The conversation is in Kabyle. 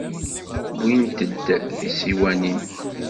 Wwint-d tisiwanin.